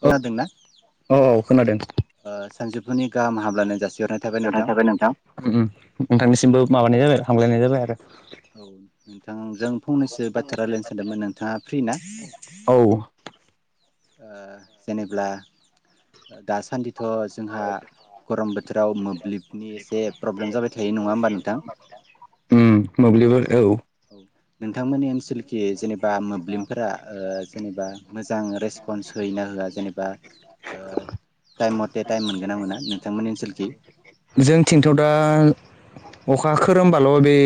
खोनादों ना औ खोनादों ओ सानजोब बेफोरनि गाहाम हाबलायानाय जासि [unintelligible] उम उम नोंथांनिसिमबो माबानाय जाबाय हामलायनाय जाबाय आरो। औ नोंथां जों फंनैसो बाथ्रा रायलायनो सानदोंमोन नोंथाङा फ्रि ना। औ ओ जेनेब्ला दासान्दि। थ' जोंहा गरम बोथोराव मोब्लिबनि एसे प्रब्लेम जाबाय थायो नङा होमबा नोंथां उम औ मोब्लिब औ। नोंथांमोननि ओनसोल कि जेनेबा मोब्लिमफोरा ओ जेनेबा मोजाङै ओ टाइम मथे टाइम मोनगोन ना मोना नोंथांमोननि ओनसोलखि [unintelligible] जोंथिंथ दा। अखा खोरोमबाल' बे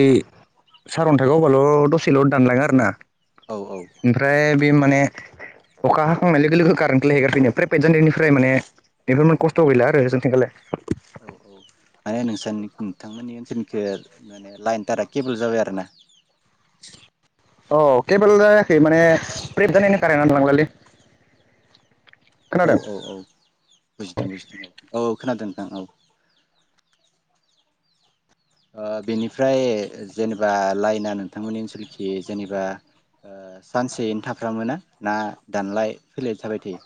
सारन्थाइ गावबाल' दसेल' दानलाङो आरोना। औ औौ ओमफ्राय बे मा। माने। अखा हाखांनाय लोगो लोगो कारेन्टखोलाय हेगारफिनो फ्राइपेट जानायनिफ्राय माने बेफोर खस्थ' गैला आरो जोंथिंगालाय औ औ माने नोंथांमोननि ओनसोलनिखैय माने लाइनथारा केबोल जाबाय आरो ना। अ केेबोल जायाखै माने प्रेब जानायनि कारेनानो दानलांलाले औ औ औ बुजिदों बुजिदों औ खोनादों। ओं औ। ओ बेनिफ्राय जेनेबा लाइना नोंथांमोननि ओनसोलखि जेनेबा ओ सानसेयैनो थाफ्रामोना ना दानलाय फैलाय थाबाय थायो।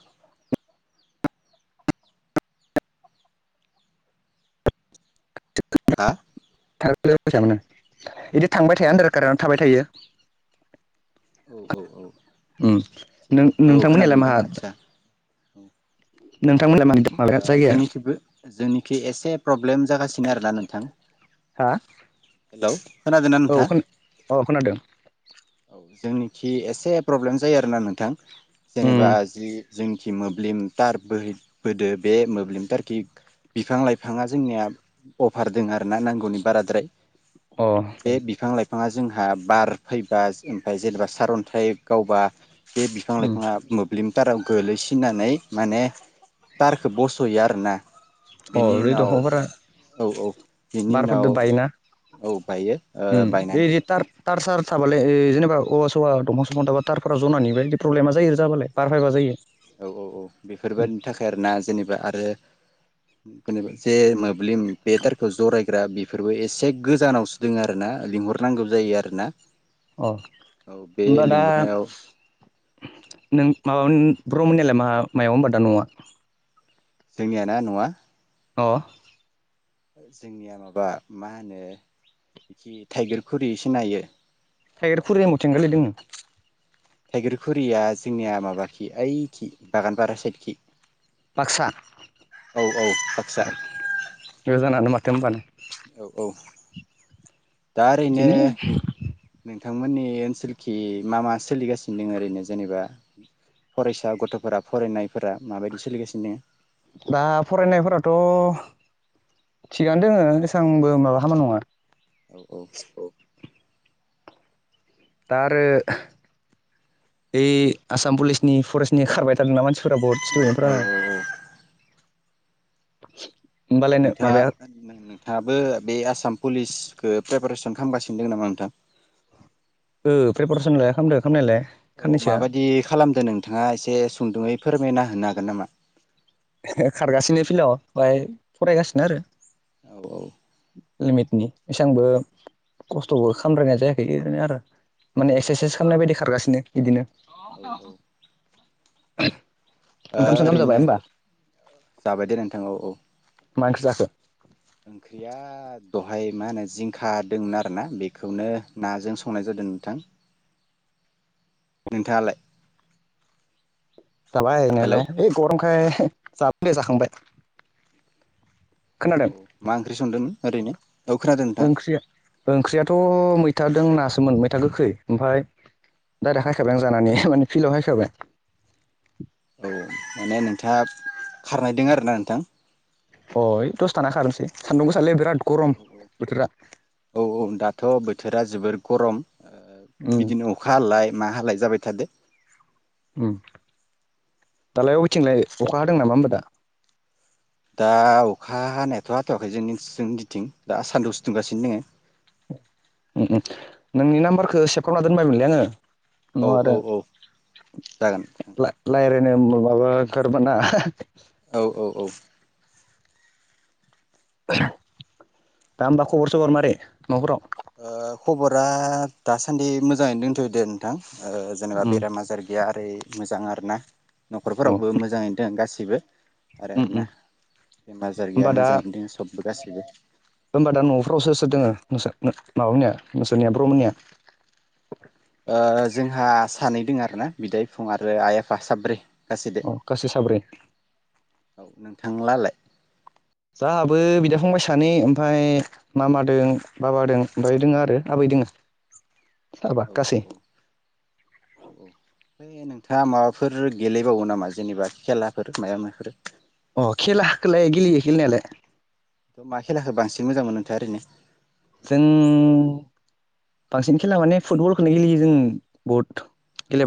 [inaudible] हा। थां - फैसा मोनो बिदि थांबाय थाया होनदोरा कारेनानो थाबाय थायो। औ औ औ। उम थिगानो औ खोनादों नों-नोंथांमोननियालाय मा। नोंथां आदसा [inaudible] नों। नोंथांमोनला मानि माबाया जायगाया। के एसे प्रब्लेम। जागासिनो आरोना नोंथां हा हेल खोनादोंना औ नोंथाङा। खोन अ खोनादों औ जोंनिखि एसे प्रब्लेम जायो आरोना नोंथां। जेनेबा उम जि। जोंखि मोब्लिमटार बोहैबोदो बे मोब्लिमटारखि बिफां लाइफाङा जोंनिया अभारदोङो आरोना नांगौनि बाराद्राय। अ बे बिफां लाइफ- बिफाङा जोंहा बार फै- बा ओमफ्राय जेनेबा सारन्थाइ गावबा। बे बिफां उम लाइफाङा मोब्लिम टाराव गोलैसिननानै माने टारखौ बस'यो आरोना। अ बेनि बे उनाव दंफांफोरा औ औ बिनि उनाव बारफोरदो बायोना औ बायो ओ बायनानि। साबालाय ए जेनेबा औवा - सौवा दफां - संफां दानबा टारफोरा जनानि बेदि प्रब्लेमा जायो आरो जाबालाय बारफायबा जायो। औ औ औ बेफोरबादिनि थाखाय आरोना जेनेबा आरो जेनेबा जे मा ब्लिम बे टारखौ जराय फ्रा बेफोरबो एसे गोजानावसो दोङो आरो ना लिंहरनांगौ जायो आरो ना अ' होनबा दा नों माबा ब्रह्मनियालाय मा मायाव होनबा दा न'आ जोंनियाना न'आ अ जोंनिया माबा मा होनो थाइगेर गुरि सिनायो थाइगेर खुरिया मथिं गोलैदोंङो थाइगिरखुरिया जोंनिया माबाखि ओइखि बागानफारा साइदखि बाक्सा बाक्सा गोजानानो मा [unintelligible] औ औ दा ओरैनो बिदिनो नोंथांमोननि ओनसोलखि मा मा सोलिगासिनो दोङो ओरैनो जेनेबा फरायसा गथ'फोरा फरायनायफोरा माबायदि सोलिगासिनो दङ। दा फरायनायफोराथ' थिगानो दोङो एसबांबो माबा हामा नङा औ औ दा आरो ओइ आसाम पुलिसनि फरेस्टनि खारबाय थादोंना मानसि फोरा बहुद औ स्टुदेन्टफ्रानो औ [unintelligible] नोंथाङा नोंथाङाबो बे आसाम पुलिसखौ फ्रेफारेसन खालामगासिनो नामा नोंथां औ प्रिपारेसनलाय खालामदो खालामनायलाय औ माबायदि खालामदो नोंथाङा एसे सुंदुङै फोरमायना होना हागोन नामा? खारगासिनो फिलाव ओमाय फरायगासिनो आरो औ औ लिमिटनि एसेबांबो खस्थ'बो खालामद्रायनाय जायाखै ओरैनो आरो औ माने एक्सारसाइस खालामनाय बायदि खारगासिनो नो बिदिनो औ औ [unintelligible] ओंखाम सोंखाम ओरैनो जाबाय होमबा? जाबाय दे नोंथां औ औ मा ओंख्रि जाखो ओंख्रिया दहाय मा होनो जिंखा दंमोन आरोना बेखौनो नाजों संनाय जादों नोंथां नोंथाङालाय जाबाय हेलौ जानायालाय होय गरमखाय [unintelligible] जाखांबाय औ खोनादों औ मा ओंख्रि संदों ओरैनो औ खोनादों नोंथां ओंख्रिया ओंख्रिआथ' मै थादों नासोमोन मैथा गोखै ओमफाय दायरेक हायखाबाय आं जानानै फिल्डआव हायखाबाय। औ माने नोंथाङा खारनायदों आरो ना नोंथां अ ओइ दसे थाना खारनोसै सान्दुं गोसालै बिराद गरम औ बोथोरा औ औ औ दाथ' बोथोरा जोबोर गरम ओ उम बिदिनो अखा हालाय मा हालाय जाबाय थादो उम दालाय अबिथिंलाय अखा हादों नामा होमबा दा दा अखा हानायाथ' हाथ'वाखै जों जोंनिथिं दा सान्दुंसो दुंगासिनो दोङो। उम नोंनि नाम्बारखौ सेभ खालामना दोनबायमोनलै आङो। औ नाव औ आरो औ जागोन ला लायरा ओम मोबाबो गोरबोना औ औ औ दा होमबा खबर सबर मारै न'फोराव? ओ खबरा दासान्दि मोजाङैनो दोंथयो दे नोंथां। ओ जेनेबा उम बेराम आजार गैया ओरै मोजां आरोना औ न'खरफोरावबो मोजाङैनो दोङो गासिबो। आरो उम उम आरोना बेमार आजार गैया होमबा दा मोजाङैनो दं सब बो गासैबो होमबा दा न'फ्राव सोर सोर दंङ नोंसा नो माबा मोनिया नोंसानिया ब्र मोनिया? ओ जोंहा सानै दङ आरोना बिदाय बिफं आरो आइ आफा साब्रै। गासैदो अ गासै साब्रै थांलालाय जाहाबो बिदा फंबाय सानै ओमफाय मामादों बाबादों ओमफाय दोङो आरो आबै दोङो। साबा औ औ गासै औ औ [unintelligible] नोंथाङा माबाफोर गेलेबावो नामा जेनेबा खेलाफोर माया माफोर अ खेलाखोलाय गेलेयो गेलेनायालाय त' मा खेलाखौ बांसिन मोजां मोनो नोंथा ओरैनो? जों बांसिन खेला माने फुटबलखोनो गेलेयो जों बहुद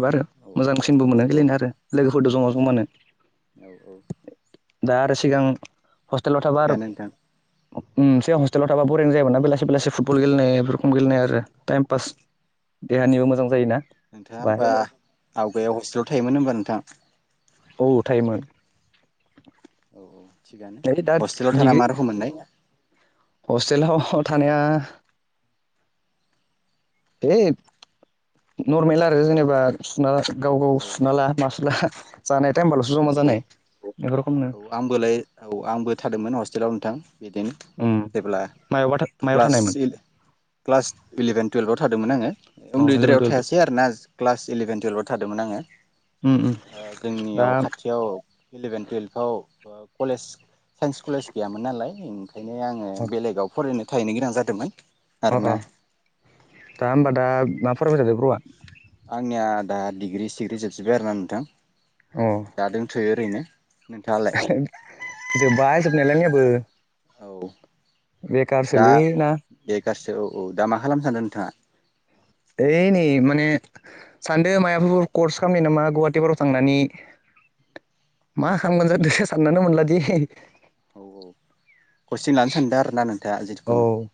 औ आरो औ मोजांसिनबो मोनो औ गेलेनो आरो लोगोफोरदो जमा जमानो औ औ दा आरो सिगां हस्टेलाव थाबा आरो थिगानो नोंथां उम सिगां हस्टेलाव थाबा बरिं जायोमोनना बेलासि। बेलासे फुटबल गेलेनाय बे रखम गेलेनाय आरो टाइम पास देहानिबो मोजां जायोना। नोंथाङा बाय होनबा आवगायाव हस्टेलाव थायोमोन होनबा नो? थां। औ थायोमोन। औ-औ थिगानो नै दा हस्टेलाव थाना डिग्रि मा रोखोम मोननाय? हस्टेलाव थानाया। हे नरमेल आरो जेनेबा सुना ला। गाव-गाव औ सुना ला मासुला हा। जानाय टाइम बाल'सो औ जमा जानाय । औ आंबोलाय औ आंबो थादोंमोन हस । जेराव नोंथां। बिदिनो उम जेब्ला मायावबा मायाव क्लास थानायमोन सिल, क्लास इलिभेन। टुवेल्भआव थादोंमोन आङो। अ इलेभेन उन्दैद्रायाव टुवेल्भ थायासै आरो ना । क्लास इलिभेन टुवेल्भाव थादोंमोन आङो। उम उम ओ दा जोंनियाव खाथियाव इलिभेन। औ ओ कलेज साइन्स कलेज गैयामोन नालाय। बेखायनो आङो बेलेगाव फरायनो। थाहैनो गोनां जादोंमोन। अ-अ आरोना दा होमबा उम दा मा फरायबाय थादों ब्र'आ? आंनिया दा डिग्रि-सिग्रि जोबजोब्बाय आरोना नोंथां। दा दोंथोयो ओरैनो। नोंथाङालाय जोबबाय जोबनायालाय आंनियाबो। बो। औ। बेखारसोलै ना? दासो औ-औ दा मा खालामनो सानदों नोंथाङा? ओइ नै माने सानदो मायाबाफोर कर्स खामनो ना मा गुवाहाटिफोराव थांनानै मा खामगोन जादो साननानै मोनला दि। कसिं लानो सानदों आरो ना नोंथाङा जितुखुनु? उम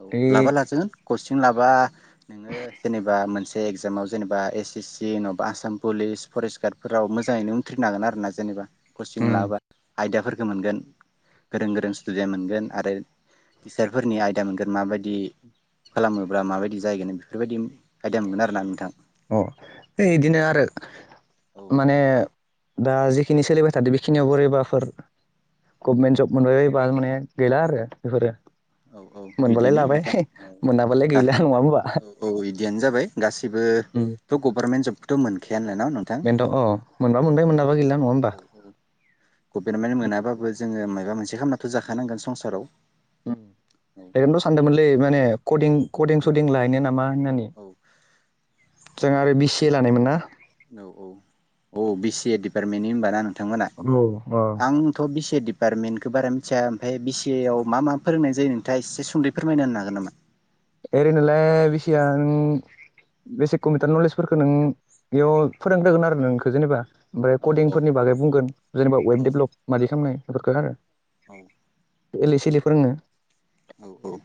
औ लाबा लाजागोन कसिं। लाबा। नोङो जेनेबा मोनसे। एगजामाव जेनेबा एस-सि-सि नङाबा आसाम पुलिस, फरेस्ट गार्डफोराव मोजाङैनो उन्थ्रिनो हागोन आरो ना जेनेबा। कचिं लाबा आयदाफोरखौ मोनगोन गोरों गोरों स्टुदेन्ट मोनगोन आरो टिचारफोरनि आय आयदा मोनगोन माबायदि खालामोब्ला माबायदि जाहैगोन नों बेफोरबायदि आयदा मोनगोन आरोना नोंथां अ' है इदिनो आरो औ माने दा जि [unintelligible] खिनि सोलिबाय थादो बेखिनियाव बोरैबाफोर गभमेन्ट जब मोनबाय बायबा माने गैला आरो बेफोरो औ औ मोनबालाय बिदिनो लाबाय नोंथां औ मोनाबालाय गैला नङा होमबा औ औ बिदियानो जाबाय गासैबो उम । ओ थ' गभारमेन्ट जबखौथ' मोन बेनोथ' अ मोनबा मोनबाय मोनाबा गैला नङा होमबा? औ औ गभर्नमेन्ट मोनाबाबो जोङो माबा मोनसे खालामनाथ' जाखानांगोन संसाराव औ बेखायनोथ' सानदोंमोनलै माने कदिं कदिं सदिं लायनो नामा होनानि औ जों आरो बि सि ए लानायमोन ना औ औ औ बि सि ए डिपार्टमेन्टनि होनबाना नों बिथांमोना औ अ आंथ' बे सि ए डिपार्टमेन्टखौ बारा मिथिया ओमफाय बि सि ए आव मा मा फोरोंनाय जायो नोंथाङा एसे सुंदै फोरमायनो होनो हागोन नामा? ओरैनोलाय बि सि ऊया नों बेसिक कम्पिउटार नलेजफोरखौ नों बेयाव फोरोंग्रोगोन आरो नोंखौ जेनेबा ओमफ्राय औ औ कदिंफोरनि बागै बुंगोन जेनेबा वेब डेभलप मादि खालामनाय [unintelligible] औ। एलै सिलै फोरोङो औ औ।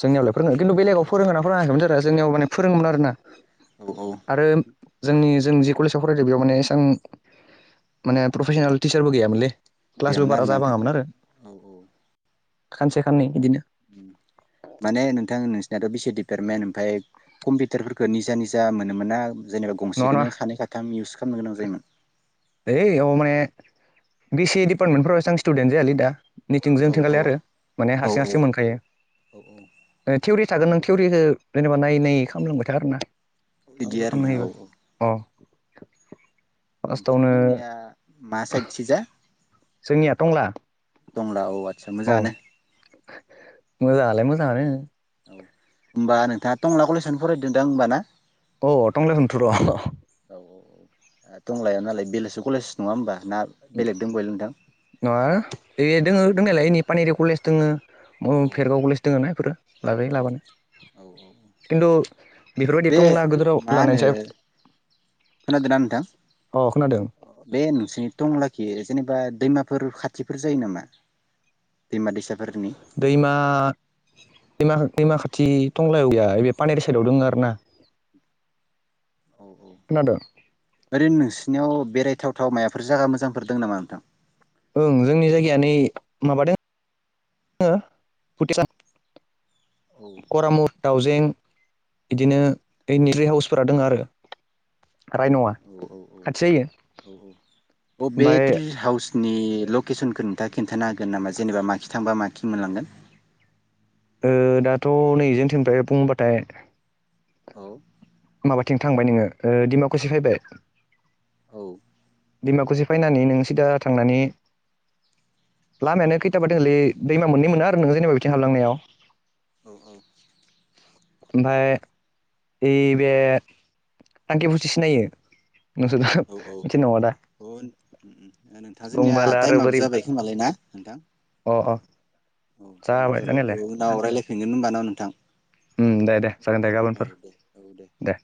[unintelligible] फोरोङो खिन्थु बेलेगाव फोरोंङाना फोरोंयाखैमोनथाय रा जोंयाव माने फोरोङोमोन आरोना औ औ। आरो जोंनि जों जि कलेजाव फरायदों बेयाव माने एसेबां माने प्रफेसनेल टिचारबो गैयामोनलै । क्लासबो गैयामोन बारा आरोना नोंथां जाबाङामोन आरो औ औ । खानसे खाननै बिदिनो माने नोंथां नोंस नाथ' बिसि डिपार्टमेन्ट ओमफाय कम्पिउटारफोरखौ निजा निजा मोनोमोन ना जेनेबा नङा नङा गंसेखौनो सानै खाथाम इउस खालामनो गोनां जायोमोन । हैइ औ माने बि सि डिपार्टमेन्टफ्राव एसेबां स्टुडेन्ट जायालै दा निथिं जों औ औ थिंखालि आरो माने औ हारसिं हारसिं मोनखायो औ औ ओ थिउरि थागोन नों थिउरिखौ जेनेबा नायै नायै खालामलांबाय था आरो ना । बिदि आफलद आरोना खालामना औ होयोबा अ [unintelligible] फार्स्टआवनो बिथांमोननिया मा सायथि जा जोंनिया टंला तंला औ आदसा औ मोजाङानो मोजां आ लाय मो [unintelligible] औ होनोमबा नोंथाङा टंला कलेजावनो फरायदों दां होनबा ना? अ टंलाव दं थ' र ह औ टंलायाव नालाय बिलासि कलेज नङा होनोमबा? नङा बे दङ दंनायलायनि पानेरि कलेज दङो। औ भेरगाव कलेज दङ ना बेफोरो लाजायो औ लाबानो औ औ खिन्थु बेफोरबायदि बे टंला गोदोराव मा लानायनि होनो सायाव खोनादोंना नोंथां अ खोनादों बे नोंसिनि टंलाखि जेनेबा दैमाफोर खाथिफोर जायो नामा दैमा दैसाफोर दैमा दैमा हो दैमा खाथि टंलायाव गैया एसे पानिर साइदाव दङ आरो ना। औ औ ओरैनो खोनादों नोंसोरनि नोंसिनियाव बेरायथावथाव मायाफोर जायगा मोजांफोर दं नामा नोंथां? ओं जोंनि जायगाया नै माबादों फुथिसा औ करामुर दाउजें बिदिनो दैनि रि हाउसफोरा दङ आरो। राय नङा औ खाथि औ जायो ओमफ्राय बेनि लकेसनखौ नोंथाङा खिन्थानो हागोन नामा जेनेबा माखि थांबा माखि मोनलांगोन। उ दाथ' नैजों थनिफ्राय बुंबाथाय औ माबाथिं थांबाय नोङो उ दिमाकुसि फायबाय औ दैमाखुसि फायनानै नों सिदा थांनानै लामायानो खैथाबा दलै दैमा मोननै मोनो आरो नों जेनेबा बिथिं हाबलांनायाव औ औ ओमफाय बे बे थांखि फुथि सिनायो? नोंसोरदा औ मिथिनाय नङा दा औ औ नोंथां जोंनिया बुंबालाय आरो टाइमाबो बोरै जाबाय खोमालाय ना नोंथां अ अ औ टाइमा जाबाय औ उनाव रायलायगोन फिनगोन होनबा ना नोंथां? उम दे दे जागोन दे औ गाबोनफोर दे औ दे